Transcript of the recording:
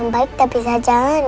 om baik tak bisa jalan ya